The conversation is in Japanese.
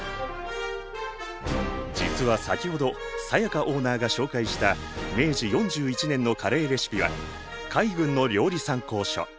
実は先ほど才加オーナーが紹介した明治４１年のカレーレシピは海軍の料理参考書。